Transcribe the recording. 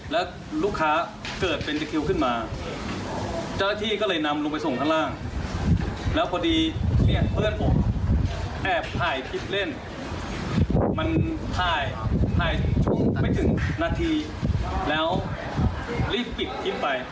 แล้วรีบปิดคลิปไป